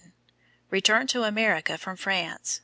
Returned to America from France.